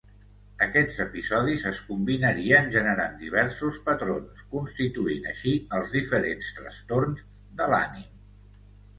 Aquests episodis es combinarien generant diversos patrons, constituint així els diferents trastorns de l'ànim.